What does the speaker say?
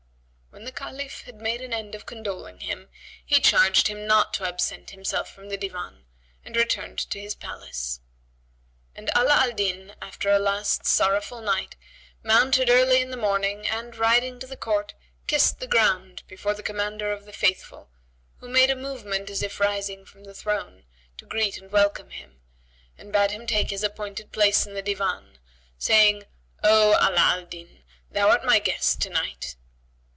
'" When the Caliph had made an end of condoling with him, he charged him not to absent himself from the Divan and returned to his palace. And Ala Al Din, after a last sorrowful night, mounted early in the morning and, riding to the court, kissed the ground before the Commander of the Faithful who made a movement if rising from the throne[FN#85] to greet and welcome him; and bade him take his appointed place in the Divan, saying, "O Ala al Din, thou art my guest to night."